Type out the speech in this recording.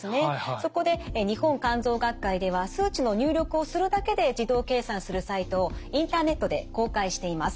そこで日本肝臓学会では数値の入力をするだけで自動計算するサイトをインターネットで公開しています。